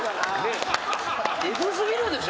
えぐ過ぎるでしょ